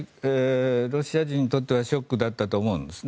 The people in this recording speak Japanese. ロシア人にとってはショックだったと思うんですね。